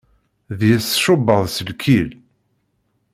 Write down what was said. Deg-s tcubaḍ s lkil.